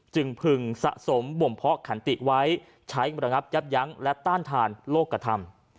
พึงสะสมบ่มเพาะขันติไว้ใช้ระงับยับยั้งและต้านทานโลกกระทำ